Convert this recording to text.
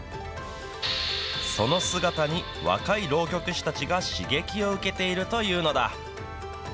その姿に、若い浪曲師たちが刺激を受けているというのだ。